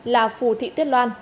là phù thị tuyết loan